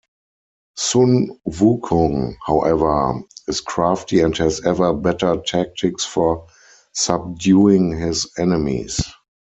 Sun Wukong, however, is crafty and has ever better tactics for subduing his enemies.